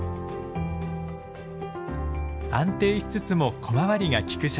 安定しつつも小回りがきく車体。